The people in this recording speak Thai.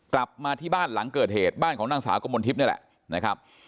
กลับมาที่บ้านหลังเกิดเหตุบ้านของนางสาวกมลทิพย์นี่แหละนะครับ